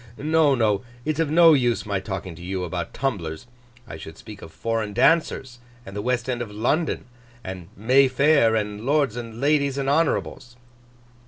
No, no, it's of no use my talking to you about tumblers. I should speak of foreign dancers, and the West End of London, and May Fair, and lords and ladies and honourables.